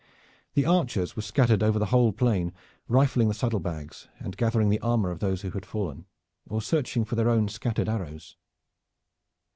The archers were scattered over the whole plain, rifling the saddle bags and gathering the armor of those who had fallen, or searching for their own scattered arrows.